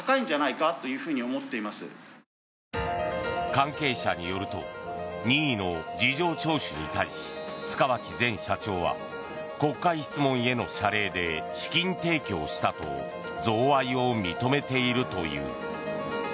関係者によると任意の事情聴取に対し塚脇前社長は国会質問への謝礼で資金提供したと贈賄を認めているという。